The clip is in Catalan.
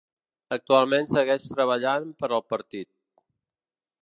Actualment segueix treballant per al partit.